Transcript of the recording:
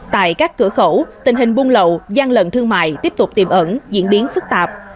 tại các cửa khẩu tình hình buôn lậu gian lận thương mại tiếp tục tiềm ẩn diễn biến phức tạp